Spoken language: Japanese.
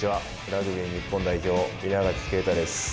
ラグビー日本代表、稲垣啓太です。